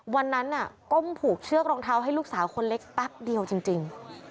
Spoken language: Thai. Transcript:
วันนั้นก้มผูกเชือกรองเท้าให้ลูกสาวคนเล็กแป๊บเดียวจริง